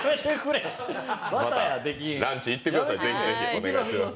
ランチ行ってください、是非是非お願いします。